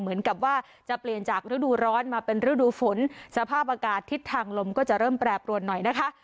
เหมือนกับว่าจะเปลี่ยนจากฤดูร้อนมาเป็นฤดูฝนสภาพอากาศทิศทางลมก็จะเริ่มแปรปรวนหน่อยนะคะ